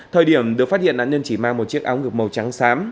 thời điểm được phát hiện nạn nhân chỉ mang một chiếc áo ngược màu trắng sám